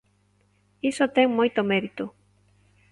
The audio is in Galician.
Iso ten moito mérito.